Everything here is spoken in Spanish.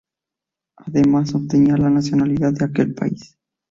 Además, obtendría la nacionalidad de aquel país.